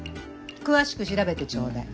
詳しく調べてちょうだい。